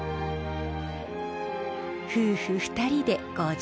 夫婦２人で５０年。